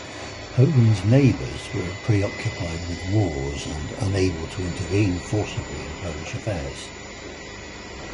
Poland's neighbors were preoccupied with wars and unable to intervene forcibly in Polish affairs.